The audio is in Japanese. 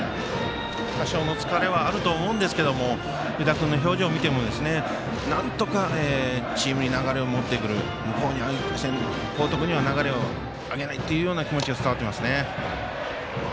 多少の疲れはあると思うんですけど湯田君の表情見ても、なんとかチームに流れを持ってくる報徳には流れをあげないっていう気持ちが伝わってきます。